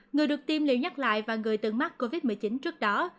người được tiêm liều nhắc lại và người từng mắc covid một mươi chín trước đó